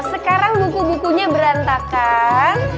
sekarang buku bukunya berantakan